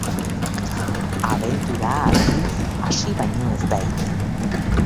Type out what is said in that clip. Abentura, aldiz, hasi baino ez da egin.